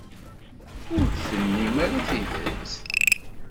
Ur d-tennim ara tidet.